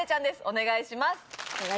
お願いします。